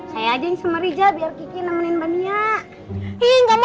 saya aja yang sama riza biar kiki nemenin mbak nia